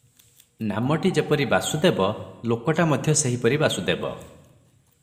ନାମଟି ଯେପରି ବାସୁଦେବ, ଲୋକଟା ମଧ୍ୟ ସେହିପରି ବାସୁଦେବ ।